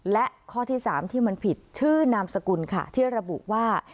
และข้อที่๓ที่มันผิดชื่อนามสกุลค่ะที่ระบุว่า